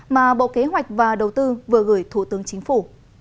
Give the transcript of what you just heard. mà bộ kế hoạch và đầu tư vừa gửi thủ tướng chính phủ